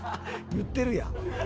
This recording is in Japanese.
言ってるやん。